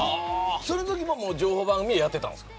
そのときはもう情報番組やってたんですか。